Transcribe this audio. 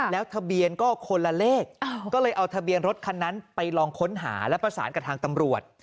แล้วทะเบียนก็คนละเลขก็เลยเอาทะเบียนรถคันนั้นไปลองค้นหาและประสานกับทางตำรวจ